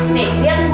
nih lihat bu